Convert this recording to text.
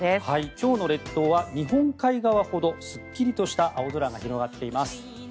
今日の列島は日本海側ほどすっきりとした青空が広がっています。